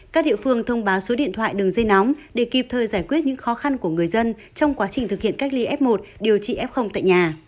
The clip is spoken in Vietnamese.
các địa phương thông báo số điện thoại đường dây nóng để kịp thời giải quyết những khó khăn của người dân trong quá trình thực hiện cách ly f một điều trị f tại nhà